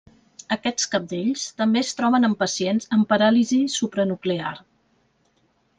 Aquests cabdells també es troben en pacients amb paràlisi supranuclear.